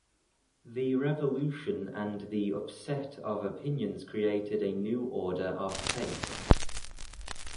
The revolution and the upset of opinions created a new order of taste.